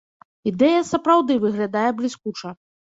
Ідэя сапраўды выглядае бліскуча.